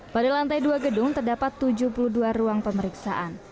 pada lantai dua gedung terdapat tujuh puluh dua ruang pemeriksaan